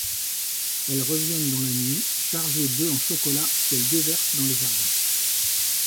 Elles reviennent dans la nuit, chargées d'œufs en chocolat qu'elles déversent dans les jardins.